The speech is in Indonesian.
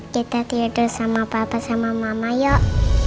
kita tidur sama papa sama mama yuk